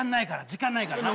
時間ないからな。